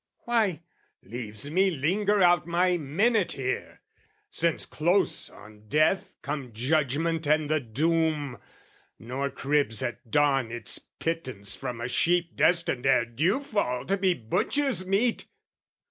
Why, leaves me linger out my minute here, Since close on death come judgment and the doom, Nor cribs at dawn its pittance from a sheep Destined ere dewfall to be butcher's meat!